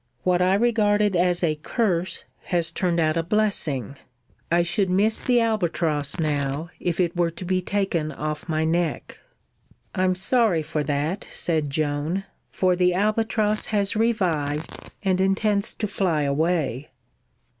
What I regarded as a curse has turned out a blessing. I should miss the albatross now if it were to be taken off my neck." "I'm sorry for that," said Joan, "for the albatross has revived and intends to fly away."